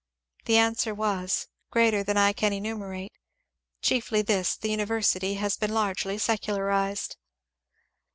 The answer was, ^^ Greater than I can enumerate; chiefly this, the university has been largely secularized."